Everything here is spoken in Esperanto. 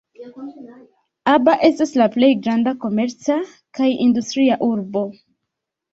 Aba estas la plej granda komerca kaj industria urbo.